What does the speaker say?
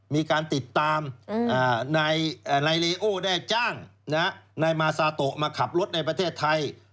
มีการติดตามนายเลโอได้จ้างนายมาซาโตมาขับรถในประเทศไทย